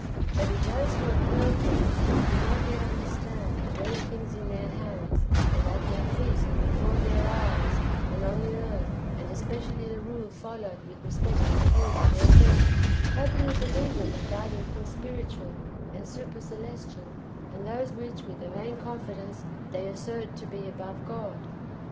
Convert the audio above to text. But if those who are ferfect do not yet understand the very things in their hands, and at their feet, and before their eyes, and on the earth, and especially the rule followed with respect to the hairs of their head, how can we believe them regarding things spiritual, and super celestial, and those which, with a vain confidence, they assert to be above God?